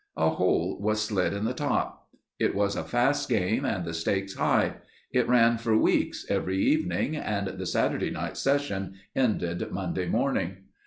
A hole was slit in the top. It was a fast game and the stakes high. It ran for weeks every evening and the Saturday night session ended Monday morning.